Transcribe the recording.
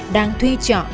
đang thuy chọn